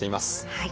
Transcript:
はい。